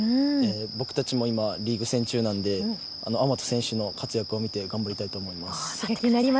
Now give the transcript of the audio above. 僕たちも今リーグ戦中なのでアマト選手の活躍を見て頑張りたいと思います。